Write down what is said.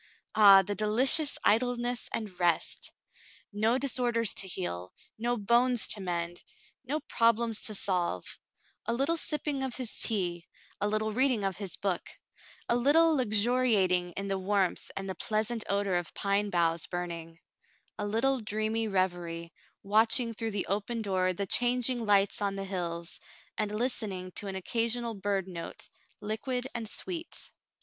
Ah ! The dehcious idleness and rest ! No dis orders to heal — no bones to mend — no problems to solve ; a little sipping of his tea — a little reading of his book — a little luxuriating in the warmth and the pleasant odor of pine boughs burning — a little dreamy revery, watching through the open door the changing lights on the hills, and listening to an occasional bird note, liquid and sweet.